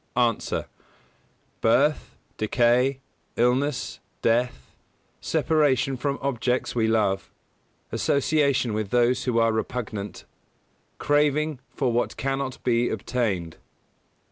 _ A. Birth, decay, illness, death, separation from objects we love, association with those who are repugnant, craving for what cannot be obtained.